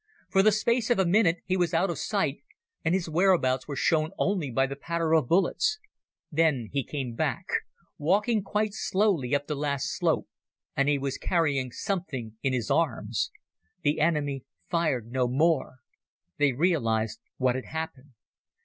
For the space of a minute he was out of sight, and his whereabouts was shown only by the patter of bullets. Then he came back—walking quite slowly up the last slope, and he was carrying something in his arms. The enemy fired no more; they realized what had happened.